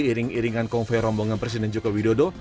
iring iringan konvoy rombongan presiden joko widodo